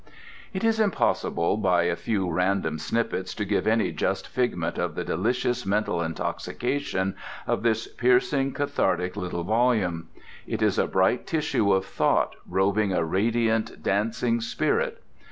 It is impossible by a few random snippets to give any just figment of the delicious mental intoxication of this piercing, cathartic little volume. It is a bright tissue of thought robing a radiant, dancing spirit.